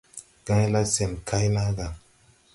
Gahãyla sɛn kay na gà.